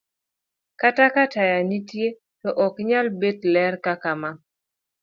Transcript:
Kata ka taya nitie to ok nyal bet ler kaka ma